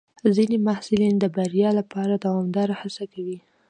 ځینې محصلین د بریا لپاره دوامداره هڅه کوي.